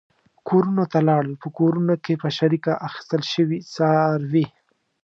کورونو ته لاړل، په کورونو کې په شریکه اخیستل شوي څاروي.